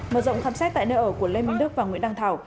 mở rộng khám xét tại nơi ở của lê minh đức và nguyễn đăng thảo